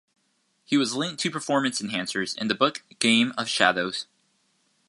He was linked to performance enhancers in the book "Game of Shadows".